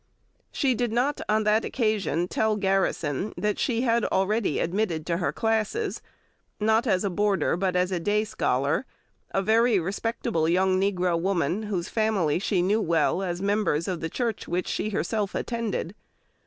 She did not, on that occasion, tell Garrison that she had already admitted to her classes, not as a boarder, but as a day scholar, a very respectable young negro woman, whose family she knew well as members of the church which she herself attended.